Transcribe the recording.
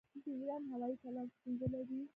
د ایران هوايي چلند ستونزې لري.